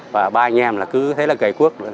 và ba anh em là cứ thế là gầy cuốc